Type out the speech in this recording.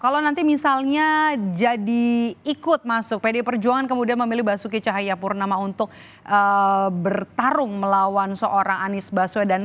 kalau nanti misalnya jadi ikut masuk pdi perjuangan kemudian memilih basuki cahayapurnama untuk bertarung melawan seorang anies baswedan